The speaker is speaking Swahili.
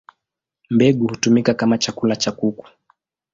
Mbegu hutumika kama chakula cha kuku.